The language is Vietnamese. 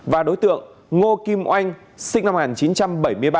và đối tượng ngô kim oanh sinh năm một nghìn chín trăm bảy mươi ba